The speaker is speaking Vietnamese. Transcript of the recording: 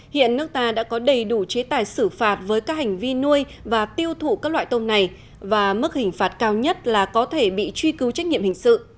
hiện nước ta đã có đầy đủ chế tài xử phạt với các hành vi nuôi và tiêu thụ các loại tôm này và mức hình phạt cao nhất là có thể bị truy cứu trách nhiệm hình sự